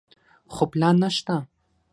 خو پلان نشته.